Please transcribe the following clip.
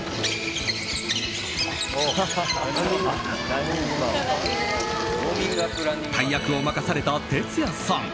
大役を任されたＴＥＴＳＵＹＡさん。